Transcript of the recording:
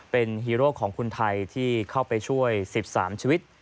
เป็นฮีโร่ของคนไทยที่เข้าไปช่วย๑๓ชีวิต